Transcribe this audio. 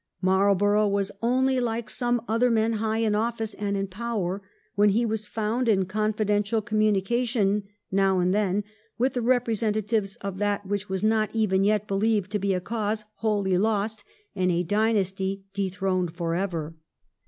Marlborough was only like some other men high in office and in power when he was found in confidential communica tion, now and then, with the representatives of that which was not even yet believed to be a cause wholly lost and a dynasty dethroned for ever.